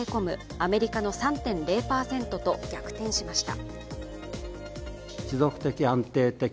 アメリカの３．０％と逆転しました。